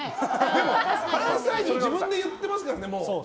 でも関西人自分で言ってますからね。